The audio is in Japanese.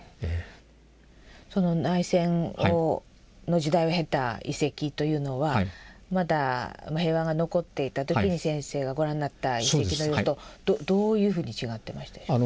その内戦の時代を経た遺跡というのはまだ平和が残っていた時に先生がご覧になった遺跡の様子とどういうふうに違ってましたでしょうか？